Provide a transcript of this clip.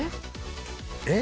えっ？